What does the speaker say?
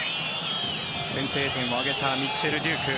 先制点を挙げたミッチェル・デューク。